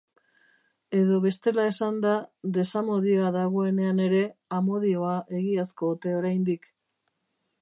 Edo bestela esanda, desamodioa dagoenean ere, amodioa egiazko ote oraindik.